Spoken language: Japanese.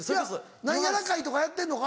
何やら会とかやってんのか？